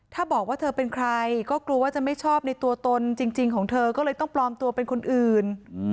ถ้าบอกว่าเธอเป็นใครก็กลัวว่าจะไม่ชอบในตัวตนจริงของเธอก็เลยต้องปลอมตัวเป็นคนอื่น